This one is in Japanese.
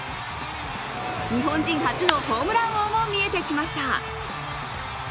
日本人初のホームラン王も見えてきました。